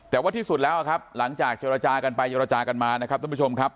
แต่ว่าที่สุดแล้วครับหลังจากเจรจากันไปเจรจากันมานะครับท่านผู้ชมครับ